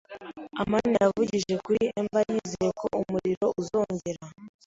amani yavugije kuri ember, yizeye ko umuriro uzongera.